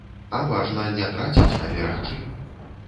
А важна не траціць, а берагчы.